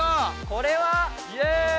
これは⁉イエーイ！